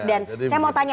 dan saya mau tanya